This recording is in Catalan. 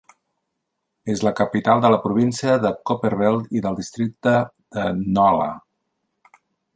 És la capital de la província de Copperbelt i del districte de Ndola.